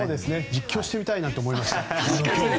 実況してみたいなんて思いました。